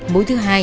mũi thứ hai